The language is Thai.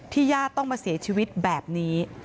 ญาติต้องมาเสียชีวิตแบบนี้